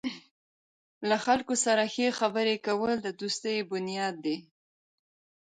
له خلکو سره ښې خبرې کول د دوستۍ بنیاد دی.